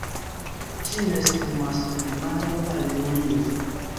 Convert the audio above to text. Ĝi nestumas en majo al julio.